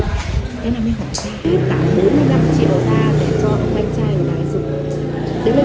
tại bốn mươi năm triệu ra để cho anh trai này dùng